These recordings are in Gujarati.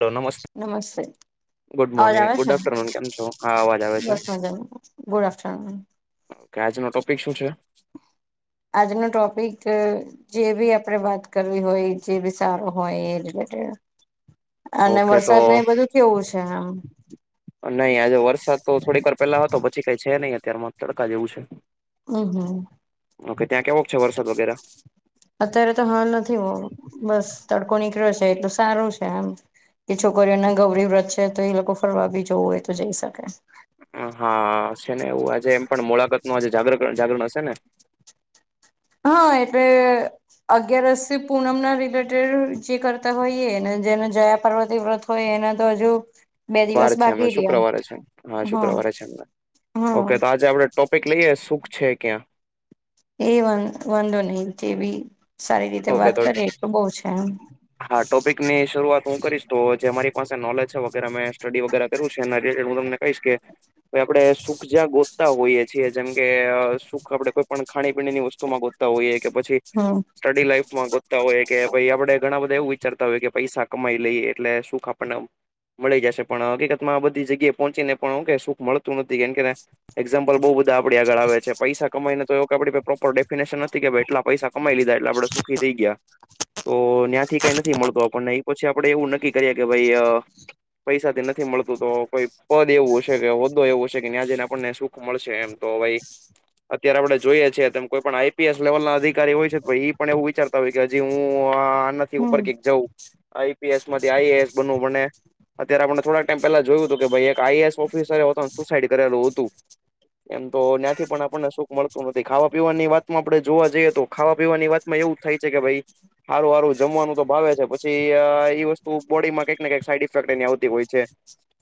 હલો નમસ્તે નમસ્તે. ગુડ અવાજ મોર્નિંગ આવે ગુડ છે? આફ્ટરનૂન કેમ છો હા અવાજ આવે છે બસ મજામાં. Good afternoon. [inaudible] કે આજનો ટોપિક શું છે? આજનો ટોપિક છે જે બી આપડે વાત કરવી હોય, જે બી સારો હોય એ રિલેટેડ. અને ઓકે તો વરસાદને એ બધું કેવું છે એમ? નહી આજે વરસાદ તો થોડીક વાર પેલા હતો પછી કઈ છે નહી અત્યારમાં તડકા જેવું છે. હમ હમ ઓકે ત્યાં કેવોક છે વરસાદ વગેરા? અત્યારે તો હાલ નથી બસ તડકો નીકળ્યો છે એ તો સારું છે એમ. કે છોકરીઓને ગૌરી વ્રત છે તો એ લોકો ફરવા બી જવું હોય તો જઈ શકે. હા છે ને એવું આજે એમ પણ મોળાકાતનું આજે જાગર જાગરણ હશે ને? હહ એટલે અગિયારસથી પૂનમના રિલેટેડ જે કરતા હોઈએ એ ને જેને જયાપાર્વતી વ્રત હોય એના તો હજુ બે દિવસ વાર છે એમને બાકી રહ્યા શુક્રવારે છે હા શુક્રવારે છે એમને. હા ઓકે તો આજે આપડે ટોપિક લઈએ સુખ છે ક્યાં. એ વાન વાંધો નહી તે ભી. ઓકે તો એમ હા ટોપિકની શરૂઆત હું કરીશ. તો જે મારી પાસે નોલેજ છે વગેરા મે સ્ટડી વગેરા કર્યું છે એના રિલેટેડ હું તમને કહીશ કે કે આપણે સુખ જ્યાં ગોતતા હોઈએ છીએ જેમ કે સુખ આપડે કોઈ પણ ખાણી પીણીની વસ્તુમાં ગોત તા હોઈએ કે પછી હમ સ્ટડી લાઈફ માં ગોતતા હોઈએ કે ભાઈ આપડે ઘણા બધા એવું વિચારતા હોય કે પૈસા કમાઈ લઈએ એટલે સુખ આપડને આમ મળી જશે. પણ હકીકતમાં આ બધી જગ્યાએ પહોંચીને પણ હું કેવાય સુખ મળતું નથી કેમ કે એક્ઝામપલ બહુ બધા આપણી આગળ આવે છે. પૈસા કમાઈને તો એવ આપડી પ્રોપર ડેફિનેશન નથી કે ભઈ એટલા પૈસા કમાઈ લીધા. એટલે આપણે સુખી થઈ ગયા. તો નયાથી કઈ નથી મળતો આપણને એ પછી આપડે એવું નક્કી કરીએ કે ભાઈ પૈસાથી નથી મળતું તો કોઈ પદ એવું હશે કે, હોદો એવો હશે કે ન્યાં જઈને આપણને સુખ ખ મળશે એમ તો ભાઈ અત્યારે આપડે જોઈએ છીએ તમ કોઈ પણ આઈપીએસ લેવલના અધિકારી હોય છે તો ઈ પણ એવું વિચારતા હોય કે હજી હું આનાથી હમ ઉપર કંઈક જઉં. આઈપીએસમાંથી આઈએસ બનવું મને અત્યારે આપણે થોડાક ટાઈમ પહેલા જોયું તું કે ભાઈ એક આઈએસ ઓફિસરે પોતાનું સુસાઈડ કરેલું હતું. એમ તો નયાથી પણ આપણને સુખ મળતું નથી. ખાવા પીવાની વાતમાં આપણેે જોવા જઈએ તો ખાવા પીવાની વાત માં એવું જ થાય છે કે ભઈ હારું હારું જમવાનું તો ભાવે છે પછી ઈ વસ્તુ બોડીમાં કંઈક ને કઈક સાઈડ ઇફેક્ટ એની આવતી હોય છે.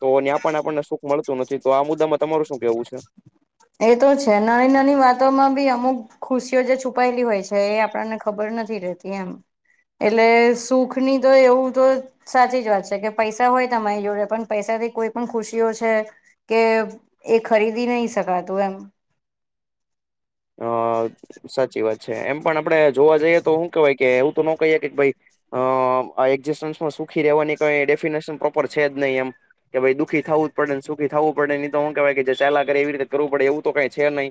તો ન્યા પણ આપણને સુખ મળતું નથી. તો આ મુદ્દામાં તમારું શું કેવું છે? એતો છે. નાની નાની વાતોમાં બી અમુક ખુશીઓ જે છુપાયેલી હોય છે એ આપણને ખબર નથી રહેત તી એમ. એટલે સુખની તો એવું તો સાચી જ વાત છે કે પૈસા હોય તમારી જોડે પણ પૈસાથી કોઈ પણ ખુશીઓ છે. કે એ ખરીદી નહી શકાતું એમ. અ સાચી વાત છે. એમ પણ આપડે જોવા જઈએ તો હું કેવાય કે એવું તો ન કહીએ કે ભાઈ અ આ એક્ઝિસ્ટન્સમાં સુખી રહેવાની કઈ ડેફિનેશન પ્રોપર છે જ નહી એમ. કે ભાઈ દુખી થવું જ પડેને સુખી થવું પડે ઇતો હું કેવાય ચાલ્યા કરે એવી રતે કરવું પડે એવ તો કઈ છે નહી,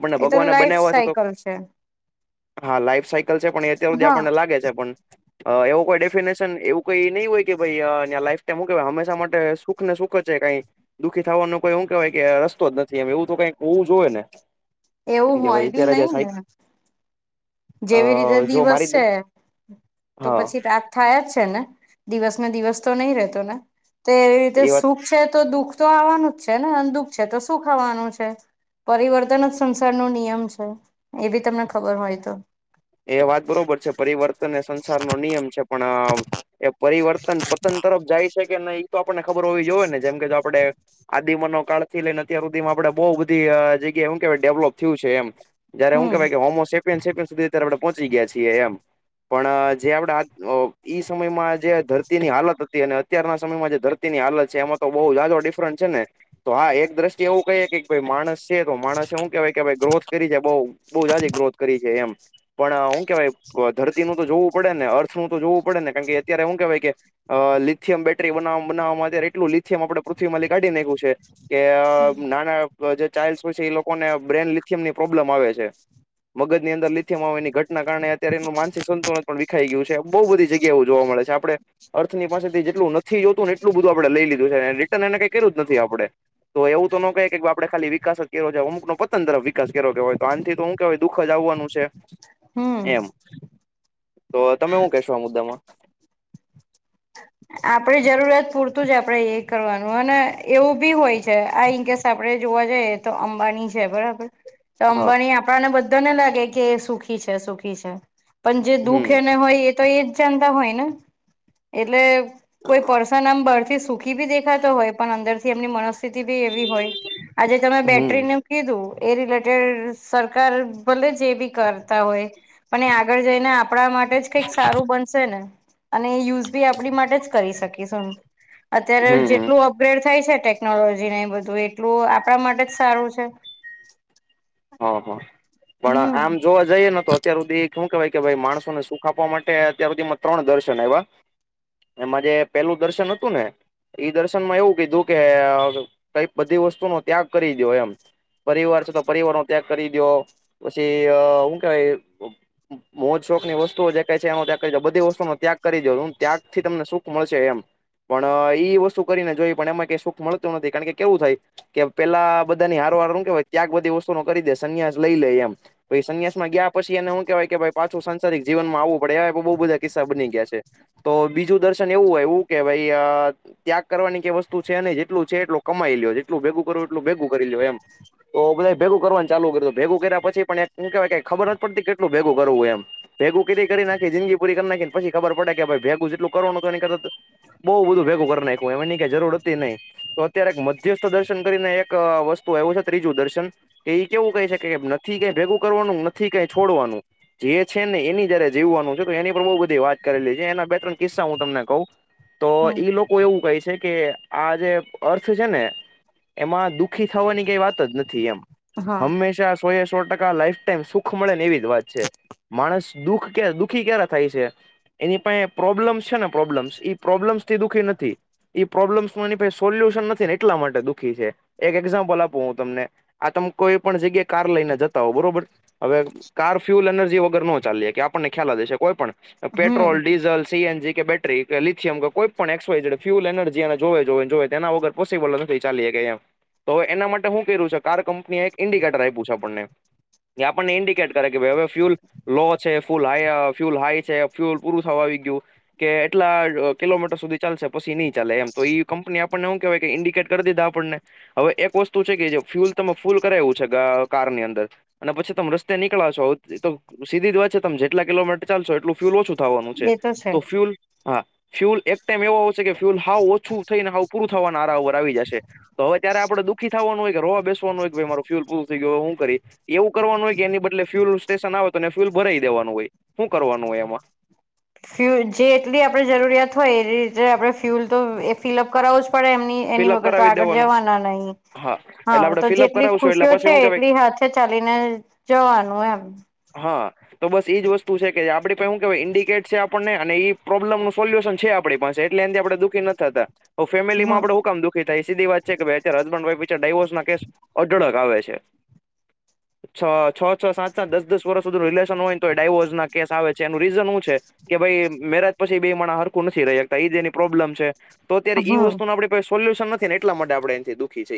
આપણને એ તો ભગવાને લાઈફ બનાવવા છો તો સાયકલ છે હા લાઈફ સાઈકલ છે પણ એ અત્યાર સુધી હા આપણને લાગે છે પણ અ એવું કોઈ ડેફિનેશન એવું કઈ નઈ હોય કે ભાઈ લાઈફ ટાઈમું કે હંમેશા માટે સુખ ને સુખ દુખ છે કઈ દુખી થવાનો કોઈ એ કવાય કે રસ્તો જ નથી એમ એવું તો કઈક હોવું જો હોય ને એવું એમ કે હોય ભાઈ બી અત્યારે જે નઈ ને સાઈ અ જેવી રીતે જો દિવસ મારી છે દ- તો હા પછી રાત થાય જ છે ને દિવસ ને દિવસ તો નહી રહેતો ને તો એવી રીતે એ વાત સુખ છે તો દુઃખ તો આવાનું જ છે ને દુઃખ છે તો શુંખ આવાનું છે પરિવર્તન જ સંસારનો છે એ બી તમને ખબર હોયતો એ વાત બરોબર છે પરિવર્તન એ સંસારનો નિયમ છે પણ એ પરિવર્તન પતન તરફ જાય છે કે નહી એ તો આપણને ખબર હોવી જોઈએ ને જેમ કે જો આપણે આદિમાંનવ કાળ થી લઈને અત્યાર સુધીમાં આપડે બહુ બધી જગ્યાએ એવું કેવાય ડેવલોપ થયું છે એમ જ્યારે હું હમ કેવાય કે હોમો ચેમ્પિયન, ચેમ્પિયન સુધી અત્યારે [unintelligible] આપડે પહોંચી ગયા છી એમ પણ જે આપડ ઈ સમયમાં જે ધરતીની હાલત હતી અને અત્યારના સમયમાં જે ધરતીની હાલત છે એમાં તો બહુ જાજો ડિફરન્ટ છે ને, તો હા એક દ્રષ્ટિ એવું કહી કે ભઈ માણસ છે તો માણસ એવું કેવાય કે ભાઈ ગ્રોથ કરી છેય બઉ બઉ જાઝી ગ્રોથ કરી છે એમ પણ હું કેવાય ધરતીનું તો જોવું પડે ને અર્થનું તો જોવું પડે ને કારણ કે અત્યારે હું કેવાય કે, અ લિથિયમ બેટરી બના બનાવામાં અત્યારે એટલું લિથિયમ આપણે પૃથ્વી માથી કાઢી નાખ્યું છે કે અ નાના જે ચાલ્ડસ હોય છે એ લોકોને બ્રેન લિથિયમની પ્રોબ્લેમ આવે છે મગજની અંદર માં હો એની ઘટના કારણે અત્યારે એમનું માનસિક સંતુલન પણ વિેખાઈ ગયું છે બહુ બધી જગ્યા એ જોવા મળે છે આપણે અર્થની પાસેથી જેટલું નથી જોતું ને એટલું બધું આપણે લઈ લીધું છે રિટર્ન એને કઈ કરું જ નથી આપણે તો એવું તો નો કહે કે આપડે ખાલી વિકાસ જ કર્યો છે હમુકનો પતન તરફ વિકાસ કર્યો કેવાય તો આથી તો હું કેવાય. દુખ જ આવવાનું છે. હમ એમ તો તમે હું કેશો આ મુદ્દામાં આપણે જરૂરિયાત પૂરતું જ આપણે એ કરવાનું અને એવું બી હોય છે આ ઇનકેસ આપણે જોવા જઈએ તો અંબાની છે બરાબર તો હા અંબાણી આપણાને બધાને લાગે કે સુખી છે સુખી છે. પણ જે દુખ હમ એને હોય એ તો એજ જાનતા હોય ને એટલે કોઈ પર્સન આમ બહારથી સુખી બી દેખાતો હોય પણ અંદરથી એમની મનસ્થિતિ બી એવી હોય આજે તમેરી હમ બેટરી ને કીધું એ રિલેટેડ સરકાર ભલે જે બી કરતા હોય પણ એ આગળ જઈને આપણા માટે જ કંઈક સારું બનશે ને અને એ યુઝ બી આપણી માટે જ કરી શકીશું. અત્યારે હમ હમ જેટલું અપગ્રેડ થાય છે ટે ટેકનોલોજી ને એ બધું એટલું આપણા માટે જ સારું છે. હ હા પણ આમ હમ જોવા જઈએ ને તો અત્યાર સુધી શું કેહેવાય કે ભાઇ માણસોને સુખ આપવા માટે અત્યાર સુધી માં ત્રણ દર્શન આઇવા એમાં જે પેલું દર્શન હતું ને ઈ દર્શન માં એવું કીધું કે કઈક બધી વસ્તુ નો ત્યાગ કરી દો એમ પરિવાર છે તો પરિવારનો ત્યાગ કરી દો પછી અ હું કેવાય મોજ શોકની વસ્તુઓ જે ક છે એનો ત્યાગ કરી દો બધી વસ્તુઓનો ત્યાગ કરી દો એમ ત્યાગથી તમને સુખ મળશે એમ પણ ઈ વસ્તુ કરીને જોઈ પણ એમાં કઈ સુખ મળતું નથી કારણ કે કેવું થાય કે પેલા બધાની હારોહાર હું કહેવાય ત્યાગ બધી વસ્તુનો કરી દે સંન્યાસ લઈ લે એમ પઈ સંન્યાસમાં ગયા પછી એને હું કેહેવાય કે ભાઇ પાછું સાંસારિક જીવનમાં આવવું પડે બઉ બધા કિસ્સા બની ગયા છે. તો બીજું દર્શન એવું હોય એવું ઉ કે ભાઈ આ ત્યાગ કરવાની કઈ વસ્તુ છે નય જેટલુ છે એટલુ કમાઈ લ્યો જેટલું ભેગું કરો એટલું ભેગું કરી લ્યો એમ તો બધાયે ભેગું કરવાનું ચાલુ કરયુ ભેગું કર્યાં પછી પણ એક હું કેવાય કાય ખબર નથી પડતી કેટલું ભેગું કરવું એમ ભેગું કરી કરી ને આખી જિંદગી પૂરી કરી નાખી પછી ખબર પડે કે ભાઈ ભેગું જેટલુ કરવાનું હતુ એની કરતા તો બૌ બધું ભેગું કરી નાયખું એની કાઈ જરૂર હતી નઈ તો અત્યારે એક મધ્યસ્થ દર્શન કરીને એક વસ્તુ આયવું છે ત્રીજું દર્શન કે ઈ કેવું કેય છે કે નથી કે ભેગું કરવાનું નથી કાઈ છોડવાનું જે છે ને એની જ હારે જીવવાનું છે તો એની પર બઉ બધી વાત કરેલી છે એના બે ત્રણ કિસ્સા હું તમને કઉ તો હમ ઈ લોકો એવું કય છે કે આ જે અર્થ છે ને એમાં દુઃખી થવાની કાઈ વાત જ નથી એમ હા હંમેશા સો એ સો ટકા લાઈફ ટાઈમ સુખ મળે ને એવી જ વાત છે માણસ દુખ કે દુખી ક્યારે થાય છે. એની પાહે પ્રોબ્લેમ્સ છે ને પ્રોબ્લેમ્સ ઈ પ્રોબ્લેમ્સ થી દુખી નથી ઈ પ્રોબ્લેમ્સનું એની પાહે સોલ્યુશન નથી ને એટલા માટે દુઃખી છે એક એક્ઝામ્પલ આપું હું તમને આ તમ કોઈ પણ જગ્યા કાર લઈને જતા હો બરોબર હવે કાર ફ્યુલ એનર્જી વગર નો ચાલી હકે આપણને ખ્યાલ જ હશે કોઈ પણ પેટ્રોલ હમ ડીઝલ સીએનજી કે બેટ રી કે લીથીયમ કે કોઈ પણ X Y Z fuel energy જોવે જોવે તેના વગર પોસિબલ નથી ચાલી હકે એમ તો હવે એના માટે હું કરયુ છે કાર કંપનીએ એક ઇન્ડિકેટર આપ્યું છે આપણને કે આપણને ઇન્ડિકેટ કરે કે ભાઈ હવે ફ્યુલ લો છે ફૂલ હાય અ ફ્યુલ હાય છે ફ્યુલ પૂરું થવા આવી ગયું કે એટલા અ કિલોમીટર સુધી ચાલશે પસી નય ચાલે એમ તો ઈ કંપની આપણને હું કેહેવાય કે ઇન્ડિકેટ કર દીધા આપણને હવે એક વસ્તુ છે કે જે ફ્યુલ તમે ફૂલ કરાવું છે આ કારની અંદર અને પછી તમે રસ્તે નીકળા છો તો સીધી જ વાત છે તમે જેટલા કિલોમીટર ચાલશો એટલુ ફ્યુલ ઓછું થવાનું છે તો ફ્યુલ હા ફ્યુલ એક ટાઈમ એવો આવશે કે ફ્યુલ હાવ ઓછું થઈને હાવ પૂરું જ થવા ના આરા ઉપર આવી જશે તો હવે ત્યારે આપણે દુઃખી થાવાનું હોય કે રોવા બેસ વાનુ હોય કે ભઈ મારું ફ્યુલ પૂરું થઈ ગયું હવે હું હુ કરી એવું કરવાનું હોય કે એની બદલે ફ્યુલ નુ સ્ટેશન આવે તો ન્યા ફ્યુલ ભરાઈ દેવાનું હોય. હુ કરવાનું હોય એમાં? ફ્યુલ જેટલી આપણે જરૂરિયાત હોય એ રીતે આપણે ફ્યુલ તો એ ફિલઅપ કરાવુ જ પડે એમની એની ફિલઅપ વગર તો કરાવી આગળ દેવાનું જવાના નહી હા એટલે તો આપડે ફિલઅપ જેટલી કરાવશું એટલે ખુશીઓ છે પછી હું કેવાય એટલી હાથે ચાલી ને જવાનું એમ હા તો બસ ઈજ વસ્તુ છે કે આપડી પાહે હુ કેવાય ઇન્ડિકેટ છે આપણને અને ઈ પ્રોબ્લમનું સોલ્યુશન છે. આપ પડી પાસે એટલે એનથી આપણે દુખી નથ થાતા હવે ફેમેલીમાં હમ આપાણે હું કામ દુઃખી થાય સીધી વાત છે કે અત્યારે હસબન્ડ વાઇફ વચ અત્યાર ડાયવોર્સ ના કેસ અઢળક આવે છે. છ, છ-છ, સાત-સાત, દસ-દસ વર્ષ સુધીનુ રિલેશન હોય ન તોય ડાયવોર્સના કેસ આવે છે. એનુ રીઝન હુ છે કે ભાઈ મેરજ પછી બે માણા હરખું નથી રહી હકતા ઈજ એની પ્રોબ્લેમ છે. તો અત્યારે ઈ વસ્તુ નુ હમ આપણી પાહે સોલ્યુશન નથી ને એટલા માટે આપણે એનથી દુખી છય.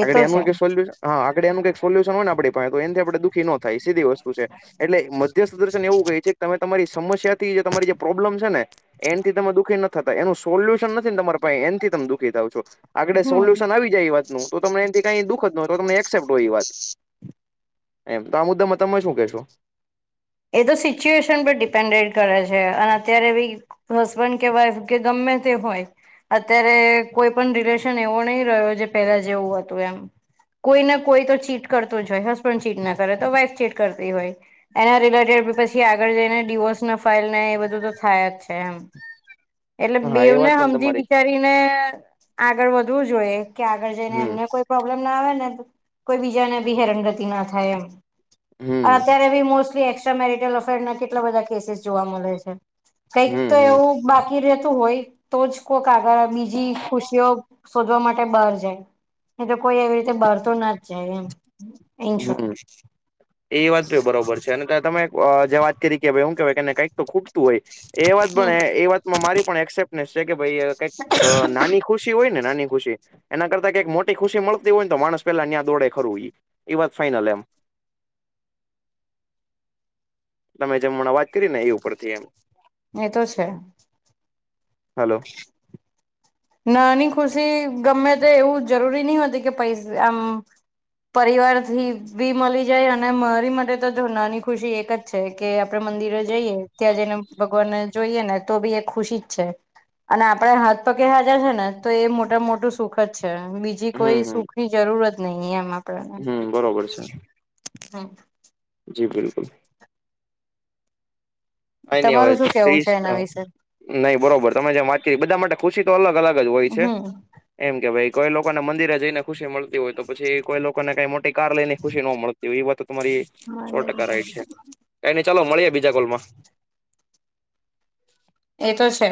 એ તો આગળી એનુંય છે કાંય સોલ્યુન હા આગળ એનું કાંઈક સોલ્યુશન હોયને આપડી પાહે તો એનથી આપડે દુખી નો થાય સીધી વસ્તુ છે એટલે મધ્યસ્થ દર્શન એવું કેય છે કે તમે તમારી સમસ્યાથી જે તમારી જે પ્રોબ્લેમ છે ને એનથી તમે દુઃખી નથ થતા એનું સોલ્યુશન નથી ને તમારા પાહે એનથી તમે દુખી થાવ છો આગડે હમ સોલ્યુશન આવી જાય એ વાતનું તો તમને એનથી કાઈ દુઃખ જ ન હોય તો તમને એકસેપ્ટ હોય ઇ વાત એમ. તો આ મુદ્દામાં તમે શું કેશો? એ તો સિચ્યુએશન પર ડિપેન્ડેડ કરે છે. અને અત્યારે બી હસબન્ડ કે વાઈફ કે ગમે તે હોય અત્યારે કોઈ પણ રિલેશન એવો નહી રહ્યો જે પેલા જેવું હતું એમ. કોઈ ના કોઈ તો ચીટ કરતો જ હોય હસબન્ડ ચીટ ના કરે તો વાઈફ ચીટ કરતી હોય. એના રિલેટેડ પછી આગળ જઈને ડીવોર્સના ફાઇલ ને એ બધું તો થાય જ છે એમ. એટલે હા એ બેવને વાત પણ હમજી તમારી વિચારીને આગળ વધવું જોએ. કે આગળ જઈને હમ એમને કોઈ પ્રોબ્લેમ ના આવે ને કોઈ બીજા ને બી હેરનગતિ ના થાય એમ. આ હમ અત્યારે બી મોસ્ટલી એસ્ટ્રામેરિટલ અફેરના કેટલા બધા કેસીસ જોવા મળે છે. કંઈક તો હમ હમ એવું બાકી રહેતું હોય તો જ કોક આગળ બીજી ખુશીઓ શોધવા માટે બહાર જાય નહી તો કોઈ એવી રીતે બહાર તો ના જ જાય એમ. ઇન શોર્ટ હમ્મ એ વાતય તો બરોબર છે અને તમે જે વાત કરી કે ભાઇ એ હુ કેવાય કે એને કંઈક તો ખૂટતું હોય એ વાત હમ. પણ એ વાતમાં મારી પણ એકસેપ્ટ [unintelligible] કે ભાઈ કંઈક નાની ખુશી હોય ને નાની ખુશી એના કરતા કંઈક મોટી ખુશી મળતી હોય ને તો માણસ પેલા ન્યાં દોડે ખરું ઈ. એ વાત ફાઈનલ એમ. તમે જેમ હમણાં વાત કયરી ને એ ઉપરથી એમ. એ તો છે. હલો. નાની ખુશી ગમે તે એવું જરૂરી નય હોતી કે પૈસ આમ. પરિવારથી બી મલી જાય અને મારી માટે તો જો નાની ખુશી એક જ છે કે આપે મંદિરે જ જઈએ ત્યાં જઈને ભગવાનને જોઈએ ને તો બી એ ખુશી જ છે અને આપણે હાથ પગ બેય હાજર છે ને તો એ મોટામ મોટું સુખ જ છે બીજી કોઈ સુખની જરૂરત નહી એમ આ હમ્મ. બરોબર છે. [inaudible] [inaudible] કાંઈ ની તમારું શું કેવું હવે છે એના વિશે [unintelligible] ના ઈ બરોબર. તમે જેમ વાત કયરી બધા માટે ખુશી તો અલગ અલગ જ હોય છે. હમ એમ કે ભાઈ કોઈ લોકોને મંદિરે જઈને ખુશી મલતી હોય તો પછી કોઈ લોકોને કંઈ મોટી કાર લઈનેય ખુશી નો મળતી હોય એ વાત તો તમારી સો ટકા રાઈટ છે. કાંઈ ની ચાલો મળીએ બીજા કોલમાં. એ તો છે.